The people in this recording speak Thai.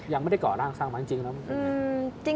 ยังไม่ได้ก่อร่างสร้างมาจริงแล้วมันเป็นยังไง